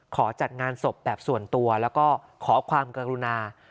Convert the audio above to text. จัดงานศพแบบส่วนตัวแล้วก็ขอความกรุณา